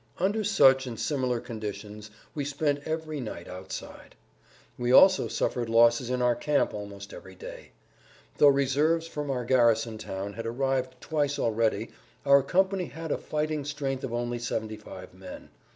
Under such and similar conditions we spent every night outside. We also suffered losses in our camp almost every day. Though reserves from our garrison town had arrived twice already our company had a fighting strength of only 75 men.